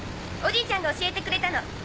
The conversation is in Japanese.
おじいちゃんが教えてくれたの。